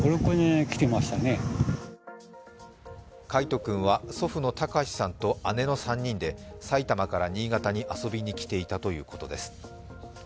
櫂斗君は祖父の隆さんと姉の３人で埼玉から新潟に遊びに来ていたということです。